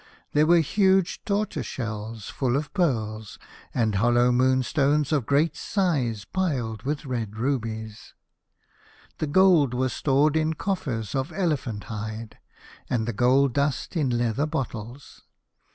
There were huge tortoise shells full of pearls, and hollowed moonstones of great size piled up with red rubies. The gold was stored in coffers of elephant hide, and the gold dust in leather bottles.